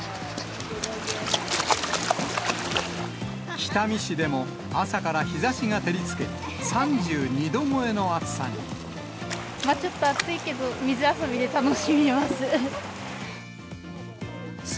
北見市でも朝から日ざしが照りつけ、ちょっと暑いけど、水遊びで楽しみます。